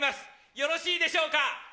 よろしいでしょうか？